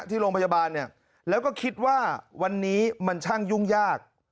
ที่โรงพยาบาลเนี่ยแล้วก็คิดว่าวันนี้มันช่างยุ่งยาก